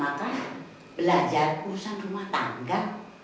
maka belajar urusan rumah tangga